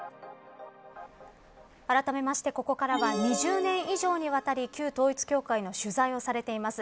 あらためてここからは２０年以上にわたり旧統一教会の取材をされています